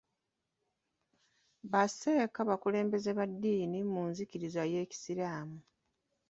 Ba sseeka bakulembeze ba ddiini mu nzikiriza y'ekiyisiraamu.